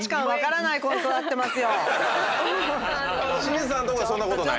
心さんのとこはそんなことない？